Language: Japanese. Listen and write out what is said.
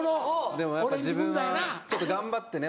でも自分はちょっと頑張ってね